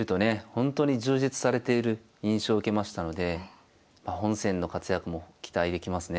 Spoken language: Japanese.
本当に充実されている印象を受けましたので本戦の活躍も期待できますね。